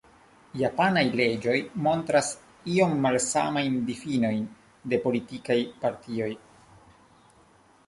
Japanaj leĝoj montras iom malsamajn difinojn de politikaj partioj.